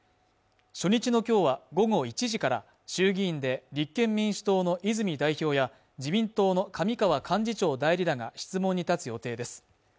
初日のきょうは午後１時から衆議院で立憲民主党の泉代表や自民党の上川幹事長代理らが質問に立つ予定です